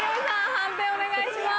判定お願いします。